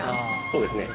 そうですね。